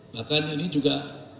bahkan ini juga